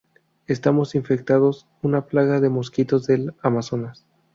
estamos infectados. una plaga de mosquitos del Amazonas.